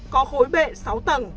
có khối bệ sáu tầng